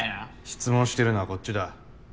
質問してるのはこっちだ。